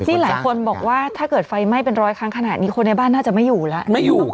นี่หลายคนบอกว่าถ้าเกิดไฟไหม้เป็นร้อยครั้งขนาดนี้คนในบ้านน่าจะไม่อยู่แล้ว